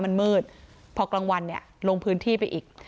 มันมืดพอกลางวันเนี่ยลงพื้นที่ไปอีก